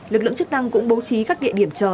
lực lượng chức năng cũng bố trí các địa điểm chờ